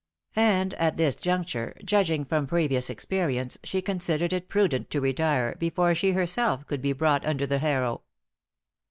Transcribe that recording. And at this juncture, judging from previous experience, she considered it prudent to retire, before she herself could be brought under the harrow.